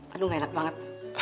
aduh gak enak banget